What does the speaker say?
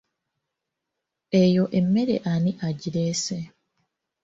Eyo emmere ani agireese?